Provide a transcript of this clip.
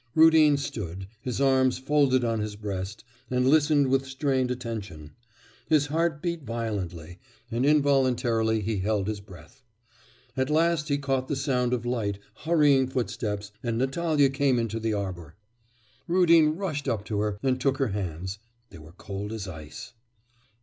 Rudin stood, his arms folded on his breast, and listened with strained attention. His heart beat violently, and involuntarily he held his breath. At last he caught the sound of light, hurrying footsteps, and Natalya came into the arbour. Rudin rushed up to her, and took her hands. They were cold as ice.